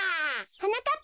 はなかっ